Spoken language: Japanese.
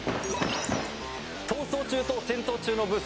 『逃走中』と『戦闘中』のブースです。